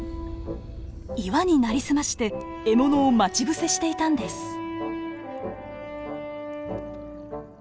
岩に成り済まして獲物を待ち伏せしていたんです。